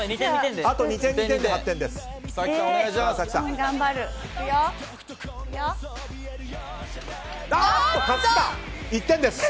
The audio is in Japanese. あと２点、２点で８点です。